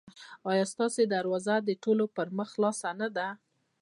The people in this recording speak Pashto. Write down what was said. ایا ستاسو دروازه د ټولو پر مخ خلاصه نه ده؟